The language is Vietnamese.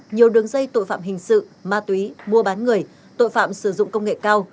nhiều đường dây tội phạm hình sự ma túy mua bán người tội phạm sử dụng công nghệ cao